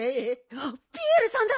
あっピエールさんだ。